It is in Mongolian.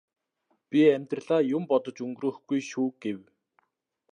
би амьдралаа юм бодож өнгөрөөхгүй шүү гэв.